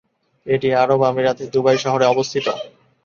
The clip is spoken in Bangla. এটি আরব আমিরাতের দুবাই শহরে অবস্থিত।